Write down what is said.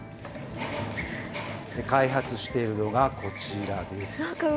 開発しているのがこちらです。